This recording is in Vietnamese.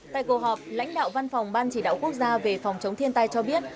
tại cuộc họp lãnh đạo văn phòng ban chỉ đạo quốc gia về phòng chống thiên tai cho biết